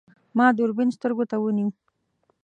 ما دوربین سترګو ته ونیو.